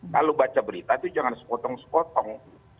kalau baca berita itu jangan sepotong sepotong